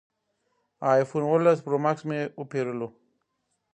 ایفون اوولس پرو ماکس مې وپېرلو